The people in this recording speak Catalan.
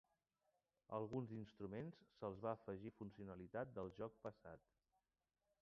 Alguns instruments se'ls van afegir funcionalitat del joc passat.